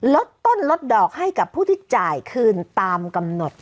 ลดต้นลดดอกให้กับผู้ที่จ่ายคืนตามกำหนด